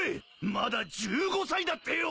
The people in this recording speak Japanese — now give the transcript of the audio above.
まだ１５歳だってよ！